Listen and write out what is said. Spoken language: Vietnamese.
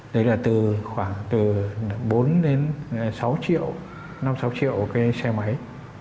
đấy là từ khoảng từ bốn đến sáu triệu năm sáu triệu cái xe máy